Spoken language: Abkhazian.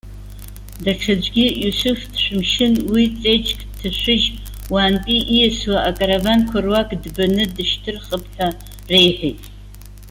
Даҽаӡәгьы Иусуф дшәымшьын, уи ҵеџьк дҭашәыжь, уаантәи ииасуа акараванқәа руак, дбаны дышьҭырхып ҳәа реиҳәеит.